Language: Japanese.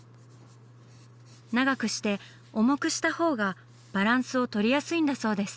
長くして重くしたほうがバランスをとりやすいんだそうです。